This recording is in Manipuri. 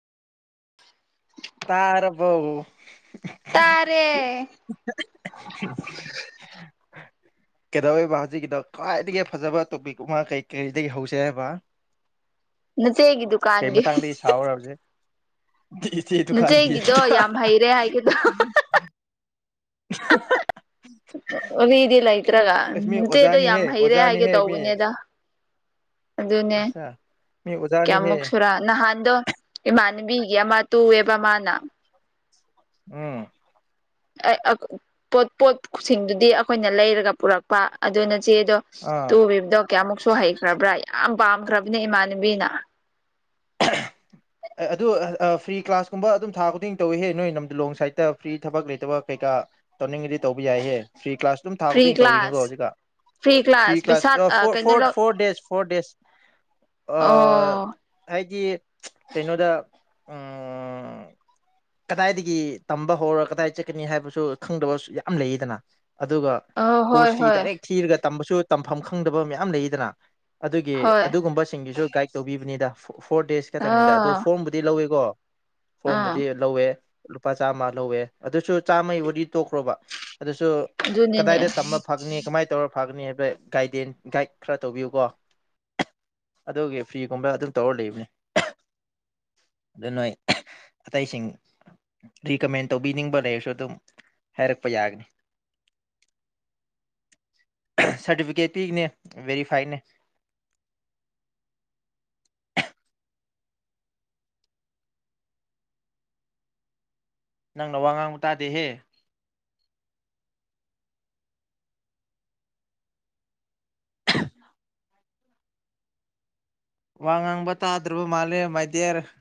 [inaudible] ꯇꯥꯔꯕ‌ꯣ ꯇꯥꯔꯦ [unintelligible] [inaudible] ꯀꯩꯗꯧꯔꯤꯕ ꯍꯧꯖꯤꯛꯀꯤꯗ ꯈ꯭ꯋꯥꯏꯗꯒꯤ ꯐꯖꯕ ꯇꯣꯄꯤꯛ ꯑꯃ ꯀꯩ ꯀꯔꯤꯗꯒꯤ ꯍꯧꯁꯦ ꯍꯥꯏꯕ ꯅꯆ‌ꯦꯒꯤ ꯗꯨꯈꯥꯟꯒꯤ ꯁꯥꯎꯔꯔꯕꯁꯦꯆꯦ ꯇꯨ ꯈꯥꯡꯈꯤ ꯅꯆꯦꯒꯤꯗꯣ ꯌꯥꯝ ꯍꯩꯔꯦ ꯍꯥꯏꯒꯦ [unintelligible] ꯍꯗꯤ ꯃꯤ ꯂꯩꯇ꯭ꯔꯒꯆꯦꯗꯣ ꯑꯣꯖꯥꯅꯤꯍꯦ ꯌꯥꯝ ꯍꯩꯔꯦ ꯍꯥꯏꯒꯦ ꯑꯣꯖꯥꯅꯤꯍꯦ ꯃꯤ ꯇꯧꯕꯅꯦꯗ ꯑꯗꯨꯅꯦ ꯑꯆꯥ ꯃꯤ ꯑꯣꯖꯥꯅꯤꯍꯦ ꯀꯌꯥꯃꯨꯛ ꯁꯨꯔ ꯅꯍꯥꯟꯗꯣ ꯃꯥꯅꯕꯤꯒꯌꯥ ꯃꯥ ꯇꯨ ꯑꯦꯕ ꯃꯥꯅꯥ ꯎꯝ ꯄꯣ ꯄꯣꯠꯁꯤꯡꯗꯨꯗꯤ ꯑꯩꯈꯣꯏꯅ ꯂꯩꯔꯒ ꯄꯨꯔꯛꯄ ꯑꯗꯨꯅꯆꯦꯗꯣ ꯑꯥ ꯇꯨꯕꯤꯕꯗꯣ ꯀꯌꯥꯃꯨꯛꯁꯨ ꯍꯩꯈ꯭ꯔꯕ꯭ꯔꯥ ꯌꯥꯝ ꯄꯥꯝꯈ꯭ꯔꯕꯅꯦ ꯏꯃꯥꯟꯅꯕꯤꯅ [inaudible] ꯑꯗꯨ ꯐ꯭ꯔꯤ ꯀ꯭ꯂꯥꯁꯀꯨꯝꯕ ꯑꯗꯨꯝ ꯊꯥ ꯈꯨꯗꯤꯡ ꯇꯧꯏꯤꯍꯦ ꯅꯣꯏ ꯅꯝ ꯂꯣꯡ ꯁꯥꯏꯗꯠꯇ ꯐ꯭ꯔꯤ ꯊꯕꯛ ꯂꯩꯇꯕ ꯀꯩꯀꯥ ꯇꯧꯅꯤꯡꯗꯤ ꯇꯧꯕ ꯌꯥꯏꯍꯦ ꯐ꯭ꯔꯤ ꯀ꯭ꯂꯥꯁ ꯑꯗꯨꯝ ꯊꯥ ꯐ꯭ꯔꯤ ꯈꯨꯗꯤꯡ ꯇꯧꯔꯤꯅꯤꯀꯣ ꯀ꯭ꯂꯥꯁ ꯍꯧꯖꯤꯛꯀ ꯐ꯭ꯔꯤ ꯄꯩꯁꯥ ꯀ꯭ꯂꯥꯁ ꯀꯩꯅꯣ ꯐꯣꯔ ꯂꯧ ꯐꯣꯔ ꯗꯦꯖ ꯐꯣꯔ ꯗꯦꯁ ꯑ ꯑꯣ ꯍꯥꯏꯗꯤ ꯀꯩꯅꯣꯗ ꯎꯝ ꯀꯗꯥꯏꯗꯒꯤ ꯇꯝꯕ ꯍꯧꯔ ꯀꯗꯥꯏ ꯆꯠꯀꯅꯤ ꯍꯥꯏꯕꯁꯨ ꯈꯪꯗꯕꯁꯨ ꯌꯥꯝ ꯂꯩꯌꯦꯗꯅ ꯑꯗꯨꯒ ꯑ ꯍꯣꯏ ꯀꯣꯔꯁ ꯐꯤ ꯍꯣꯏ ꯗꯥꯏꯔꯦꯛ ꯊꯤꯔꯒ ꯇꯝꯕꯁꯨ ꯇꯝꯐꯝ ꯈꯪꯗꯕ ꯃꯌꯥꯝ ꯂꯩꯗꯅ ꯑꯗꯨꯒꯤ ꯍꯣꯏ ꯑꯗꯨꯒꯨꯝꯕꯁꯤꯡꯒꯤꯁꯨ ꯒꯥꯏꯠ ꯇꯧꯕꯤꯕꯅꯤꯗ ꯐꯣꯔ ꯗꯦꯁ ꯈꯛꯇꯪꯅꯤꯗ ꯑꯗꯨ ꯑꯥ ꯐꯣꯔ ꯗꯤ ꯂꯧꯋꯦꯀꯣ ꯑꯥ ꯐꯣꯔꯝꯕꯨꯗꯤ ꯂꯧꯋꯦ ꯂꯨꯄꯥ ꯆꯥꯝꯃ ꯂꯧꯋꯦ ꯑꯗꯨꯁꯨ ꯆꯥꯝꯃꯩꯕꯨꯗꯤ ꯇꯣꯛꯈ꯭ꯔꯣꯕ ꯑꯗꯨꯁꯨ ꯑꯗꯨꯅꯤꯅꯦ ꯀꯗꯥꯏꯗ ꯇꯝꯕ ꯐꯪꯅꯤ ꯀꯃꯥꯏꯅ ꯇꯧꯔ ꯐꯒꯅꯤ ꯍꯥꯏꯕ ꯒꯥꯏꯗꯦꯟ ꯒꯥꯏꯗ ꯈꯔ ꯇꯧꯕꯤꯌꯨꯀꯣ ꯑꯗꯨꯒꯤ ꯐ꯭ꯔꯤꯒꯨꯝꯕ ꯑꯗꯨꯝ ꯇꯧꯔ ꯂꯩꯕꯅꯦ ꯑꯗꯨ ꯅꯣꯏ ꯑꯇꯩꯁꯤꯡ ꯔꯤꯀꯃꯦꯟ ꯇꯧꯕꯤꯅꯤꯡꯕ ꯂꯩꯔꯁꯨ ꯑꯗꯨꯝ ꯍꯥꯏꯔꯛꯄ ꯌꯥꯒꯅꯤ ꯁꯥꯔꯇꯤꯐꯤꯀꯦꯠ ꯄꯤꯒꯅꯦ ꯕꯦꯔꯤꯐꯥꯏꯅꯦ ꯅꯪꯅ ꯋꯥ ꯉꯥꯡꯕ ꯇꯥꯗꯦꯍꯦ [unintelligible] ꯋꯥ ꯉꯥꯡꯕ ꯇꯥꯗ꯭ꯔꯕ ꯃꯥꯜꯂꯦ ꯃꯥꯏ ꯗꯤꯌꯔ